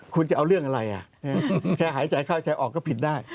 คุณจะเอาเรื่องอะไรแค่หายใจเข้าแกออกก็ผิดได้